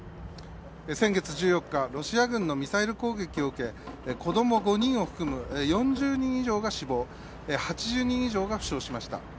先月１４日ロシア軍のミサイル攻撃を受け子供５人を含む４０人以上が死亡８０人以上が負傷しました。